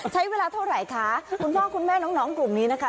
ใช้เวลาเท่าไหร่คะคุณพ่อคุณแม่น้องกลุ่มนี้นะคะ